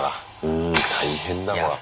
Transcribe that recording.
うん大変だこれは。